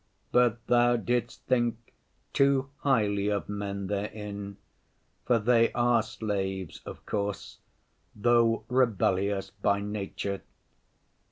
But Thou didst think too highly of men therein, for they are slaves, of course, though rebellious by nature.